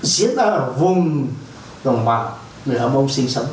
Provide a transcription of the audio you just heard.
diễn ra ở vùng đồng hoàng người âm ông sinh sống